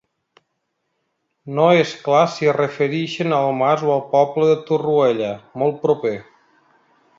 No és clar si es refereixen al mas o al poble de Torroella, molt proper.